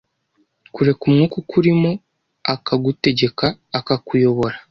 kureka Umwuka ukurimo akagutegeka akakuyobora